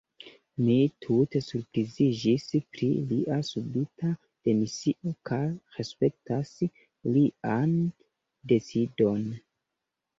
Mi tute surpriziĝis pri lia subita demisio, kaj respektas lian decidon.